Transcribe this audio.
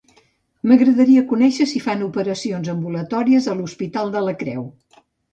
M'agradaria conèixer si fan operacions ambulatòries a l'hospital de la Creu.